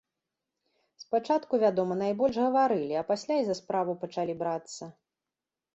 Спачатку, вядома, найбольш гаварылі, а пасля і за справу пачалі брацца.